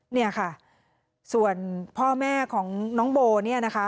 เนี่ยค่ะส่วนพ่อแม่ของน้องโบเนี่ยนะคะ